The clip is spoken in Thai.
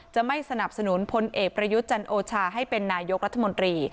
จะไม่สนับสนุนพลเอกประยุทธ์จันโอชาให้เป็นนายกรัฐมนตรี